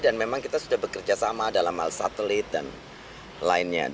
dan memang kita sudah bekerjasama dalam hal satelit dan lainnya